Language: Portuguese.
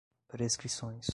prescrições